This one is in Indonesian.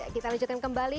kita lanjutkan kembali